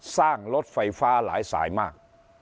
สร้างรถไฟฟ้าหลายสายมาก